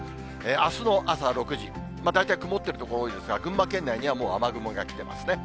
あすの朝６時、大体曇っている所多いですが、群馬県内にはもう雨雲が来てますね。